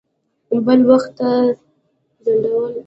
بل وخت ته ځنډول.